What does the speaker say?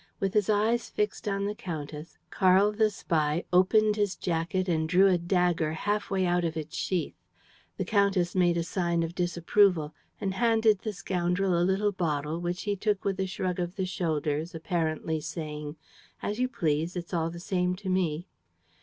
With his eyes fixed on the countess, Karl the spy opened his jacket and drew a dagger half way out of its sheath. The countess made a sign of disapproval and handed the scoundrel a little bottle which he took with a shrug of the shoulders, apparently saying: "As you please! It's all the same to me!"